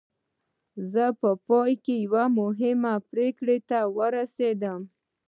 زه په پای کې یوې مهمې پرېکړې ته ورسېدم